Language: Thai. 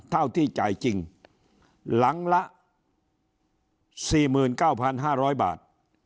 เท่าที่จ่ายจริงหลังละ๔๙๕๐๐บาท